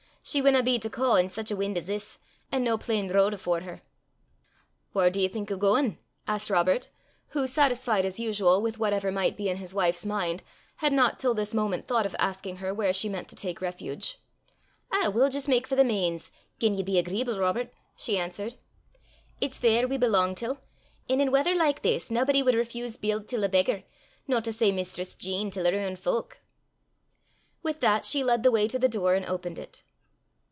She winna be to caw in sic a win' 's this, an' no plain ro'd afore her." "Whaur div ye think o' gauin'?" asked Robert, who, satisfied as usual with whatever might be in his wife's mind, had not till this moment thought of asking her where she meant to take refuge. "Ow, we'll jist mak for the Mains, gien ye be agreeable, Robert," she answered. "It's there we belang till, an' in wather like this naebody wad refeese bield till a beggar, no to say Mistress Jean till her ain fowk." With that she led the way to the door and opened it.